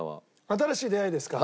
新しい出会いですか？